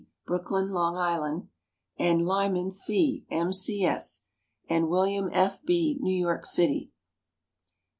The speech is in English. Brooklyn, Long Island; and Lyman C., M. C. S., and William F. B., New York city.